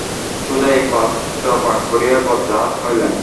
সুজা এই পত্র পাঠ করিয়া বজ্রাহত হইলেন।